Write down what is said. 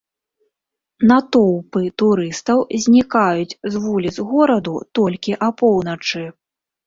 Натоўпы турыстаў знікаюць з вуліц гораду толькі апоўначы.